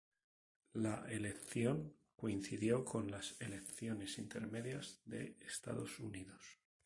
La elección coincidió con las elecciones intermedias de Estados Unidos.